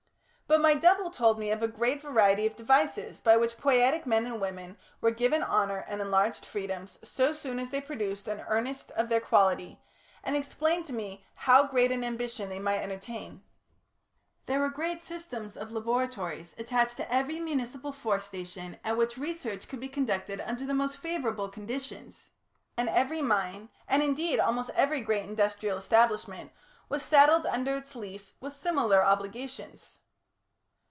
But my double told me of a great variety of devices by which poietic men and women were given honour and enlarged freedoms, so soon as they produced an earnest of their quality, and he explained to me how great an ambition they might entertain. There were great systems of laboratories attached to every municipal force station at which research could be conducted under the most favourable conditions, and every mine, and, indeed, almost every great industrial establishment, was saddled under its lease with similar obligations.